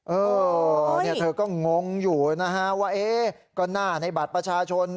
เออเธอก็งงอยู่นะฮะว่าเอ๊ะก็หน้าในบัตรประชาชน